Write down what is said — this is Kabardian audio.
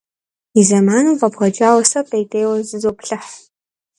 И зэманым фӏэбгъэкӏауэ, сэ пӏеутейуэ зызоплъыхь.